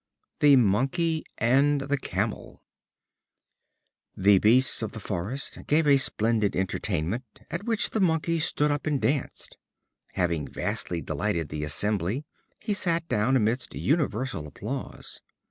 The Monkey and the Camel. The beasts of the forest gave a splendid entertainment, at which the Monkey stood up and danced. Having vastly delighted the assembly, he sat down amidst universal applause.